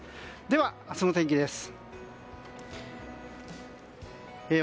では、明日の天気です。